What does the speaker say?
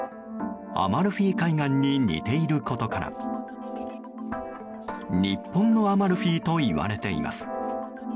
アマルフィ海岸に似ていることから日本のアマルフィといわれています。